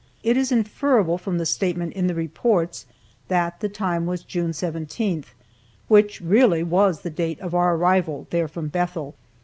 It is inferable from the statement in the Reports that the time was June 17, which really was the date of our arrival there from Bethel.)